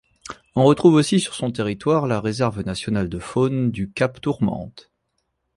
On retrouve aussi sur son territoire la Réserve nationale de faune du cap Tourmente.